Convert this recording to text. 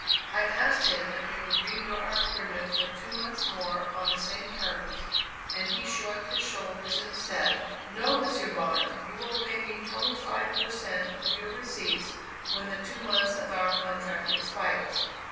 I asked him if he would renew our agreement for two months more on the same terms; and he shrugged his shoulders and said: "No, Monsieur Barnum; you will pay me twenty five per cent of your receipts when the two months of our contract expires."